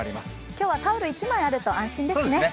今日羽織るもの１枚あると安心ですね。